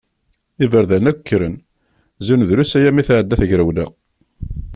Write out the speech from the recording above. Iberdan akk kkren, zun drus aya mi tɛedda tegrewla.